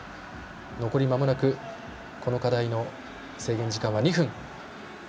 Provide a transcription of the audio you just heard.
残りまもなくこの課題の制限時間は２分。